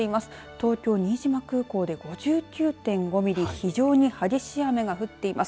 東京、新島空港で５９．５ミリ非常に激しい雨が降っています。